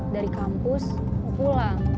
dari kampus pulang